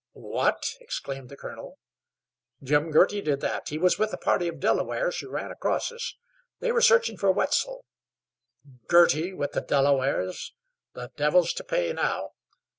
"What?" exclaimed the colonel. "Jim Girty did that. He was with a party of Delawares who ran across us. They were searching for Wetzel." "Girty with the Delawares! The devil's to pay now.